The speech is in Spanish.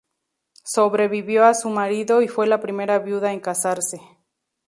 Sobrevivió a su marido y fue la primera viuda en casarse.